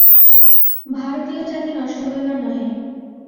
ভারতীয় জাতি নষ্ট হইবার নহে।